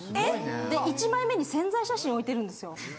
で１枚目に宣材写真を置いてるんですよ。